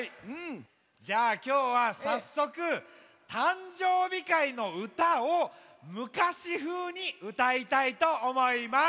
じゃあきょうはさっそくたんじょうびかいのうたをむかしふうにうたいたいとおもいます。